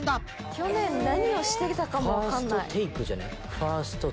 去年何をしてたかも分かんない。